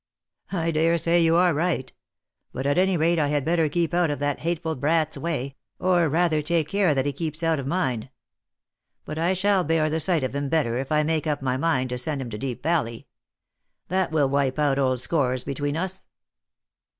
" I dare say you are right. But at any rate I had better keep out of that hateful brat's way, or rather take care that he keeps out of mine. But I shall bear the sight of him better if I make up my mind to send him to Deep Valley. That will wipe out old scores between us."